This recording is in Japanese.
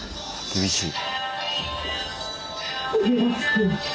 厳しい。